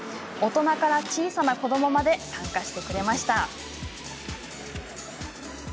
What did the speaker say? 大人から小さな子どもまで参加してくれました。